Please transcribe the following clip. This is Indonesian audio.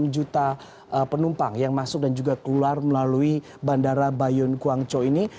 enam juta penumpang yang masuk dan juga keluar melalui bandara bayun guangzhou ini